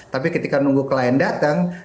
tapi ketika nunggu klien datang